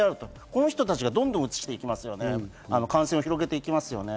この人たちがどんどん、うつしてきますよね、感染を広げていきますよね。